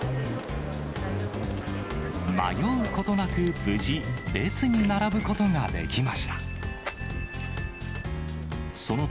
迷うことなく、無事、列に並ぶことができました。